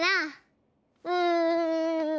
うん。